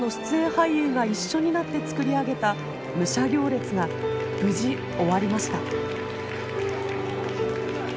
俳優が一緒になって作り上げた武者行列が無事終わりました。